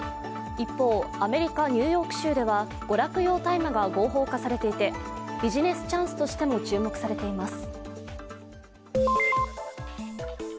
一方、アメリカ・ニューヨーク州では娯楽用大麻が合法化されていてビジネスチャンスとしても注目されています。